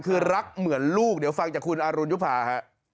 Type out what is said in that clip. คือรักเหมือนลูกเดี๋ยวฟังจากคุณอรุณยุภาฮะ